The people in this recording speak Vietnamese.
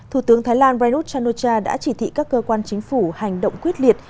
thủ tướng thái lan reynos chanucha đã chỉ thị các cơ quan chính phủ hành động quyết liệt